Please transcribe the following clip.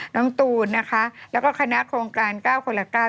น้องตูนนะคะแล้วก็คณะโครงการ๙คนละ๙